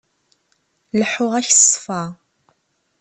Leḥḥuɣ-ak s ṣṣfa.